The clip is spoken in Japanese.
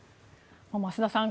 増田さん